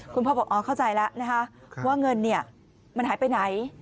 พ่อบอกอ๋อเข้าใจแล้วนะคะว่าเงินมันหายไปไหน